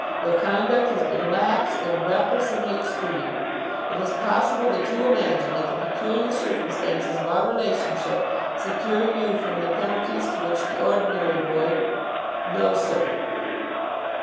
Your conduct has been lax and reckless in the extreme. It is possible that you imagine that the peculiar circumstances of our relationship secure you from the penalties to which the ordinary boy " "No, sir."